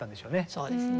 そうですね。